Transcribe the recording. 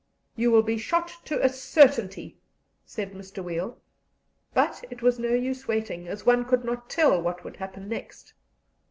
"You will be shot, to a certainty," said Mr. Weil. But it was no use waiting, as one could not tell what would happen next.